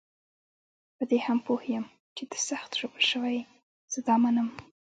په دې هم پوه یم چې ته سخت ژوبل شوی یې، زه دا منم.